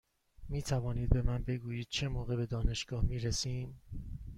می توانید به من بگویید چه موقع به دانشگاه می رسیم؟